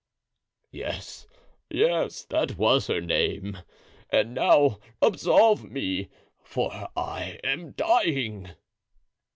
"Yes, yes, that was her name; and now absolve me, for I am dying."